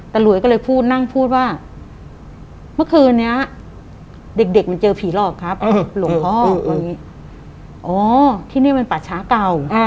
หลวยก็เลยพูดนั่งพูดว่าเมื่อคืนนี้เด็กมันเจอผีหลอกครับหลวงพ่ออ๋อที่นี่มันป่าช้าเก่า